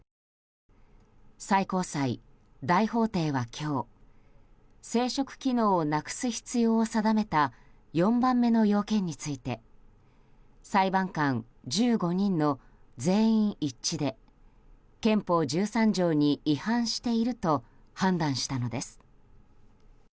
最高裁大法廷は今日生殖機能をなくす必要を定めた４番目の要件について裁判官１５人の全員一致で憲法１３条に違反していると判断したのです。